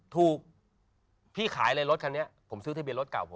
ถูกผิหาแล้วรถคันนี้